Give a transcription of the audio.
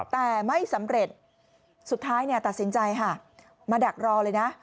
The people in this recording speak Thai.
แต่ไม่สำเร็จสุดท้ายตัดสินใจค่ะมาดักรอเลยนะ